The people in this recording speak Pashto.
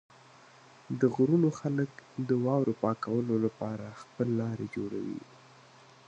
د غرونو خلک د واورو پاکولو لپاره خپل لارې جوړوي.